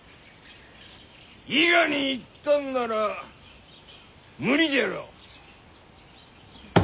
伊賀に行ったんなら無理じゃろう。